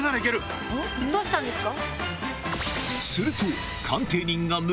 どうしたんですか？